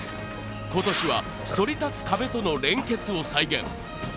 今年はそり立つ壁との連結を再現